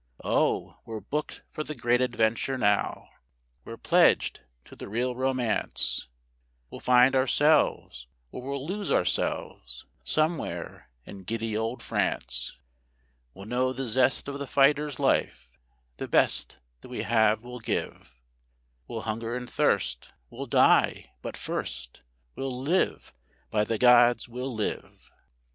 Oh, we're booked for the Great Adventure now, we're pledged to the Real Romance; We'll find ourselves or we'll lose ourselves somewhere in giddy old France; We'll know the zest of the fighter's life; the best that we have we'll give; We'll hunger and thirst; we'll die ... but first we'll live; by the gods, we'll live!